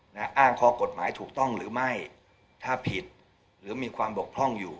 อ้างข้อกฎหมายถูกต้องหรือไม่ถ้าผิดหรือมีความบกพร่องอยู่